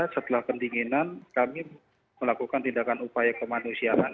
dua belas setelah pendinginan kami melakukan tindakan upaya kemanusiaan